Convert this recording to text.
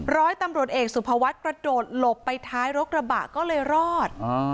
ร้อยตำรวจเอกสุภวัฒน์กระโดดหลบไปท้ายรถกระบะก็เลยรอด